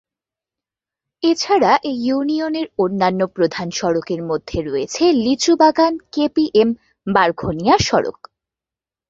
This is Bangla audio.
এছাড়া এ ইউনিয়নের অন্যান্য প্রধান সড়কের মধ্যে রয়েছে লিচুবাগান-কেপিএম-বারঘোনিয়া সড়ক।